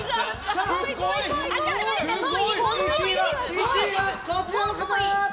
１位は、こちらの方！